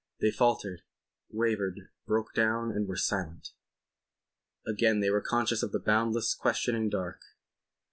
They faltered, wavered, broke down, were silent. Again they were conscious of the boundless, questioning dark.